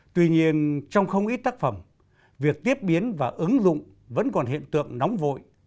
tuy nhiên trong không ít tác phẩm việc tiếp biến và ứng dụng vẫn còn hiện tượng nóng vội